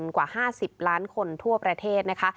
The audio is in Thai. กว่า๕๐ล้านคนทั่วประเทศนะคะ